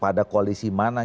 pada koalisi mana